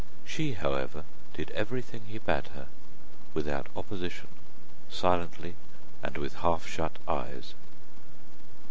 She, however, did everything he bade her, without opposition, silently and with half shut eyes.